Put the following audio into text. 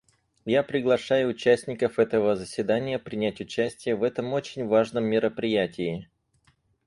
Я приглашаю участников этого заседания принять участие в этом очень важном мероприятии.